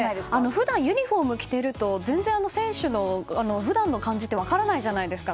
普段、ユニホームを着ていると全然、選手の普段の感じって分からないじゃないですか。